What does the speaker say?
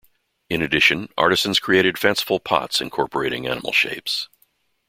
In addition, artisans created fanciful pots incorporating animal shapes.